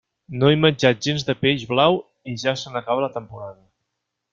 No he menjat gens de peix blau i ja se n'acaba la temporada.